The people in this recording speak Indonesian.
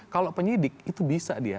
kalau penyidik itu bisa dia